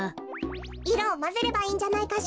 いろをまぜればいいんじゃないかしら。